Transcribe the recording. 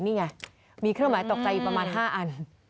นี่ไงมีเครื่องหมายตกใจอยู่ประมาณ๕อัน